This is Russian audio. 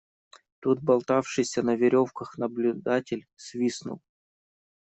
Тут болтавшийся на веревках наблюдатель свистнул.